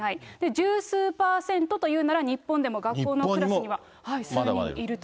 十数％というなら、日本でも学校のクラスには数人いると。